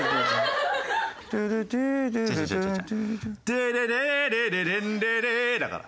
「デレレーレレレンレレ」だから。